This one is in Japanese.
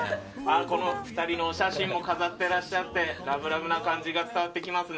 ２人のお写真も飾ってらっしゃってラブラブな感じが伝わってきますね。